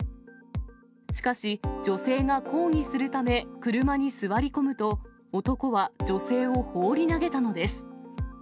しかし、女性が抗議するため、車に座り込むと、男は女性を放り投げたのです。